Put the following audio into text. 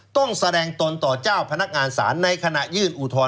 ต้องแสดงตนต่อเจ้าพนักงานศาลในขณะยื่นอุทธรณ